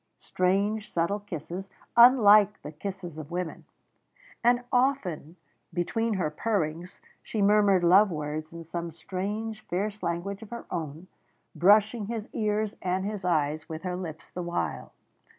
Strange, subtle kisses, unlike the kisses of women. And often, between her purrings, she murmured love words in some strange fierce language of her own, brushing his ears and his eyes with her lips the while.